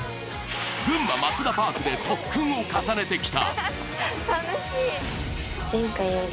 群馬前田パークで特訓を重ねてきた。